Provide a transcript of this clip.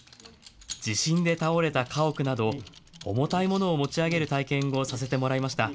地震で倒れた家屋など重たいものを持ち上げる体験をさせてもらいました。